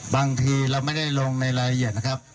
บางทีเราไม่ได้ลงในรายละเอียดนะครับ